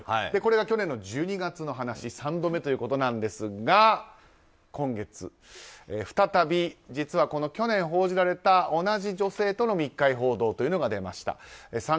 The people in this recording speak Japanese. これが去年の１２月の話３度目ということですが今月再び、実は去年報じられた同じ女性との密会報道が出ました。